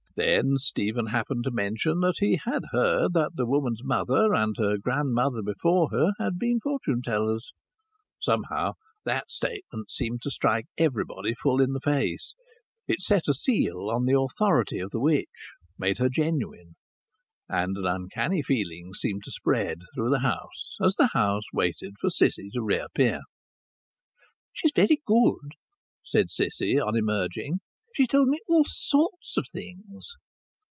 Then Stephen happened to mention that he had heard that the woman's mother, and her grandmother before her, had been fortune tellers. Somehow that statement seemed to strike everybody full in the face; it set a seal on the authority of the witch, made her genuine. And an uncanny feeling seemed to spread through the house as the house waited for Cissy to reappear. "She's very good," said Cissy, on emerging. "She told me all sorts of things."